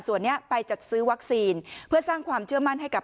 ส่วนนี้ไปจัดซื้อวัคซีนเพื่อสร้างความเชื่อมั่นให้กับ